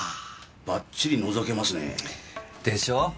バッチリ覗けますねえ。でしょ？